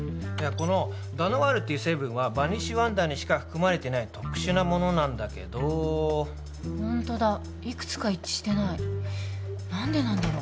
このダノワールっていう成分はバニッシュワンダーにしか含まれてない特殊なものなんだけどホントだいくつか一致してない何でなんだろ